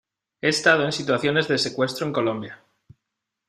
he estado en situaciones de secuestro en Colombia.